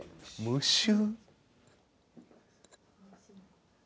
無臭？